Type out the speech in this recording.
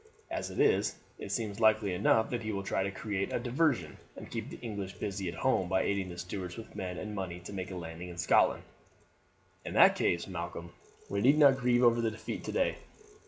As it is, it seems likely enough that he will try to create a diversion, and keep the English busy at home by aiding the Stuarts with men and money to make a landing in Scotland." "In that case, Malcolm, we need not grieve over the defeat today.